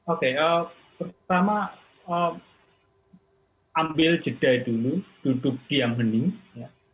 oke pertama ambil jeda dulu duduk diam hening